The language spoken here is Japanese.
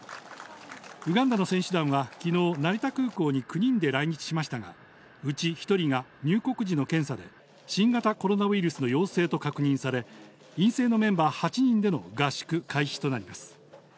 ウガンダの選手団は昨日、成田空港に９人で来日しましたが、うち１人が入国時の検査で新型コロナウイルスの陽性と確認され、陰性のメンバー８人での合宿開始となります。